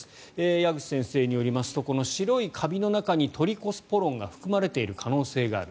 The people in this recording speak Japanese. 矢口先生によりますとこの白いカビの中にトリコスポロンが含まれている可能性がある。